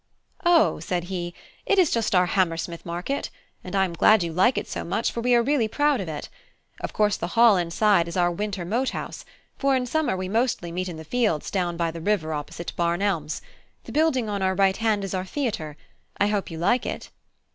"O," said he, "it is just our Hammersmith market; and I am glad you like it so much, for we are really proud of it. Of course the hall inside is our winter Mote House; for in summer we mostly meet in the fields down by the river opposite Barn Elms. The building on our right hand is our theatre: I hope you like it."